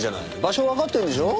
場所わかってんでしょ？